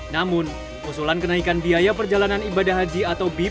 namun usulan kenaikan biaya perjalanan ibadah haji atau bin